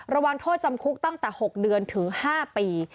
ระวังโทษจำคุกตั้งแต่๖เดือนถึง๕ปี